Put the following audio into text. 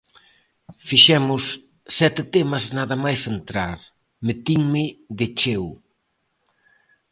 Fixemos sete temas nada máis entrar, metinme de cheo.